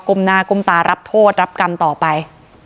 หน้าก้มตารับโทษรับกรรมต่อไป